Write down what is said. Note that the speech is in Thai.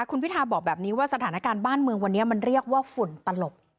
คุณพิทาบอกแบบนี้ว่าสถานการณ์บ้านเมืองวันนี้มันเรียกว่าฝุ่นตลบ